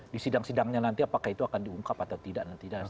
di sidang sidangnya nanti apakah itu akan diungkap atau tidak nanti